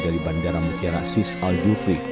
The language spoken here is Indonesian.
dari bandara mutiara sis al jufri